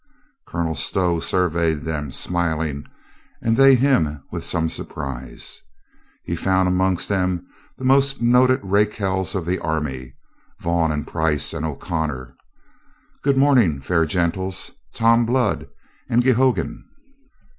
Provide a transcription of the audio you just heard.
Colonel Stow surveyed them, smiling, and they him with some surprise. He found amongst them the most noted rake hells of the army. "Vaughan and Price and O'Connor! Good morrow, fair gentles. Tom Blood and Geoghegan